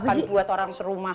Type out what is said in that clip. ini masakan buat orang serumah